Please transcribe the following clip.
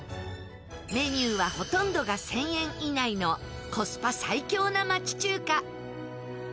メニューはほとんどが１０００円以内のコスパ最強な町中華。